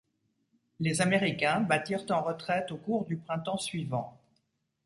Les Américains battirent en retraite au cours du printemps suivant.